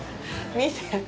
見て！